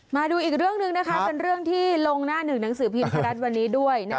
มาดูอีกเรื่องหนึ่งนะคะเป็นเรื่องที่ลงหน้าหนึ่งหนังสือพิมพ์ไทยรัฐวันนี้ด้วย